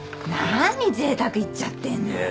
何ぜいたく言っちゃってんの。